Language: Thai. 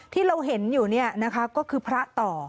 ที่เราเห็นอยู่ก็คือพระต่อ